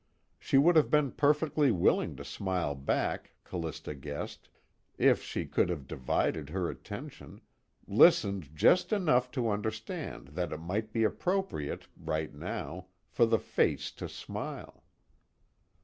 She would have been perfectly willing to smile back, Callista guessed, if she could have divided her attention, listened just enough to understand that it might be appropriate, right now, for the Face to smile.